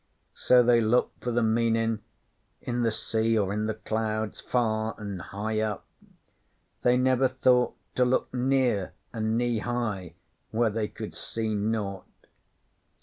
So they looked for the meanin' in the sea or in the clouds far an' high up. They never thought to look near an' knee high, where they could see naught.